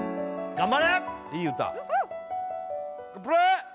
頑張れ！